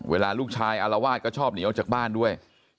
เวลาลูกชายอารวาสก็ชอบหนีออกจากบ้านด้วย